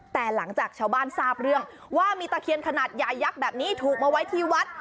แต่หลังจากชาวบ้านทราบเรื่องว่ามีตะเคียนขนาดใหญ่ยักษ์แบบนี้ถูกมาไว้ที่วัด